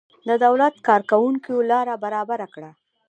د دولت کارکوونکیو لاره برابره کړه.